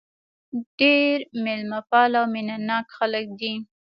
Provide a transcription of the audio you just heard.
ډېر مېلمه پاله او مینه ناک خلک دي.